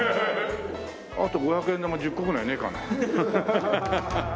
あと５００円玉１０個ぐらいねえかな？